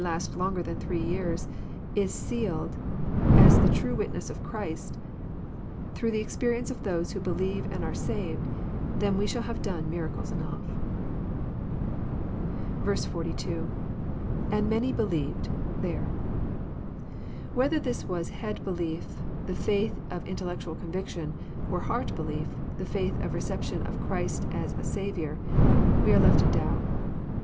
227 last longer than three years, is sealed f^ the tifie witness of Christ, through the experience of those who beiieve and are saved, then we shall have done miracles enough." 42. — [^And many believed.., there.'] Whether this was head belief, the faith of intellectual conviction,— or heart belief, the faith of reception of Christ as a Saviour,— we are left in doubt.